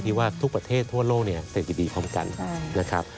ว่าทุกประเทศทั่วโลกเนี่ยเศรษฐกิจดีพร้อมกันนะครับ